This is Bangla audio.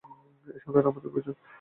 এই সন্তানটা আমাদের প্রয়োজন!